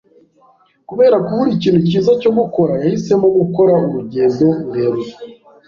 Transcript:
Kubera kubura ikintu cyiza cyo gukora, yahisemo gukora urugendo rurerure.